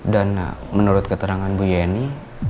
dan menurut keterangan bu yeni